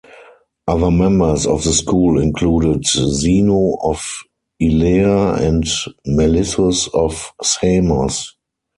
Other members of the school included Zeno of Elea and Melissus of Samos.